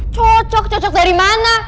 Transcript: cocok cocok dari mana